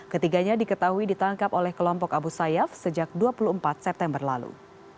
ketiganya diketahui ditangkap oleh kelompok abu sayyaf sejak dua puluh empat september lalu